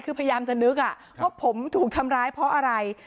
คือพยายามจะนึกว่าผมถูกทำร้ายเพราะอะไร